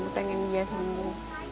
gue pengen dia sembuh